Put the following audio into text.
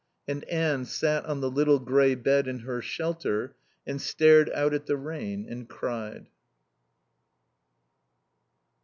And Anne sat on the little grey bed in her shelter and stared out at the rain and cried.